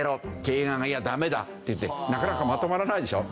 経営側が「いやダメだ！」といってなかなかまとまらないでしょ。